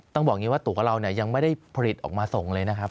ต้องบอกอย่างนี้ว่าตัวเรายังไม่ได้ผลิตออกมาส่งเลยนะครับ